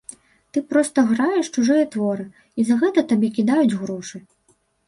Ты проста граеш чужыя творы, і за гэта табе кідаюць грошы.